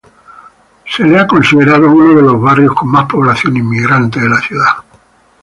Ha sido considerado uno de los barrios con más población inmigrante de la ciudad.